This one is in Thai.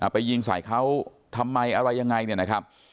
ไปยิงสายเขาทำไมอะไรยังไงนะครับ